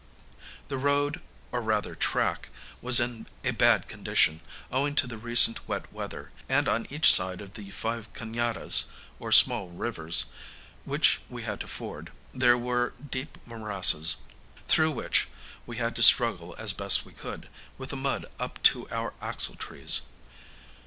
The road, or rather track, was in a bad condition, owing to the recent wet weather, and on each side of the five ca├▒adas, or small rivers, which we had to ford, there were deep morasses, through which we had to struggle as best we could, with the mud up to our axletrees.